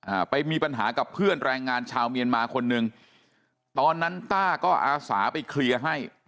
อ่าไปมีปัญหากับเพื่อนแรงงานชาวเมียนมาคนหนึ่งตอนนั้นต้าก็อาสาไปเคลียร์ให้